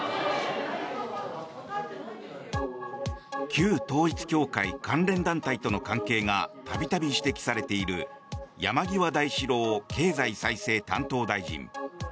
旧統一教会関連団体との関係が度々指摘されている山際大志郎経済再生担当大臣。